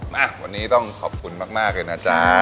มาวันนี้ต้องขอบคุณมากเลยนะจ๊ะ